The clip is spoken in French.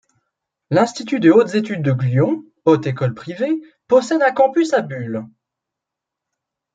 L’Institut de hautes études de Glion, haute école privée, possède un campus à Bulle.